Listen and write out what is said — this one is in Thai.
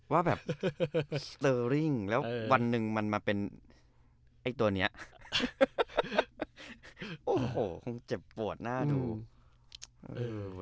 ว่าแบบแล้ววันหนึ่งมันมาเป็นไอ้ตัวเนี้ยโอ้โหมันเจ็บปวดหน้าดู